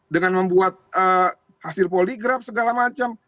dengan membuat hasil poligraf segala macam